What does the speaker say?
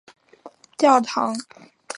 教堂靠近泰晤士河及普特尼桥。